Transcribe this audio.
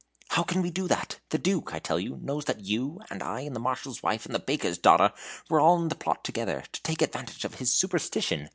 "How can we do that? The Duke, I tell you, knows that you, and I, and the Marshal's wife, and the baker's daughter, were all in the plot together, to take advantage of his superstition.